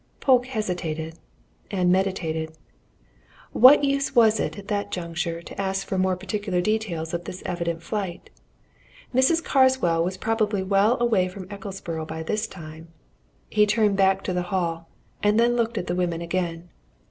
Polke hesitated and meditated. What use was it, at that juncture, to ask for more particular details of this evident flight? Mrs. Carswell was probably well away from Ecclesborough by that time. He turned back to the hall and then looked at the women again.